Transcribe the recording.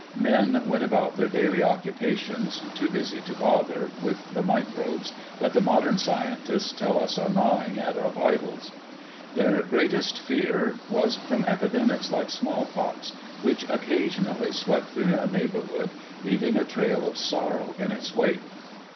Men went about their daily occupations, too busy to bother with the microbes that the modern scientists tell us are gnawing at our vitals. Their greatest fear was from epidemics like smallpox, which occasionally swept through a neighbourhood, leaving a trail of sorrow in its wake.